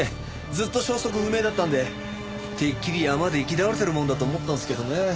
ずっと消息不明だったんでてっきり山で行き倒れてるもんだと思ったんですけどね。